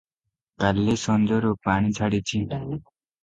କାଲି ସଞ୍ଜରୁ ପାଣି ଛାଡ଼ିଛି ।